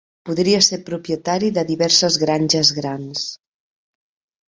Podria ser propietari de diverses granges grans.